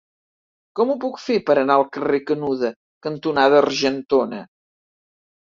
Com ho puc fer per anar al carrer Canuda cantonada Argentona?